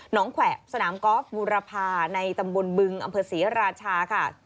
หนองแขวะสนามกอฟบุรพาในตำบลบึงอำเภอเสียราชาค่ะ